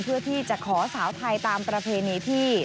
เพื่อที่จะขอสาวไทยตามประเพณีที่